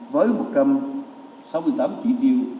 với một trăm sáu mươi tám chỉ tiêu